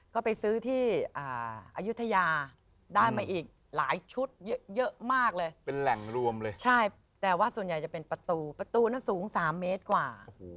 ก็ไปซื้อที่อายุทยาได้มาอีกหลายชุดเยอะมากเลยเป็นแหล่งรวมเลยใช่แต่ว่าส่วนใหญ่จะเป็นประตูประตูนั้นสูง๓เมตรกว่า